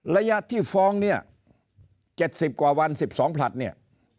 ระยะที่ฟ้องเนี่ย๗๐กว่าวัน๑๒ผลัดเนี่ย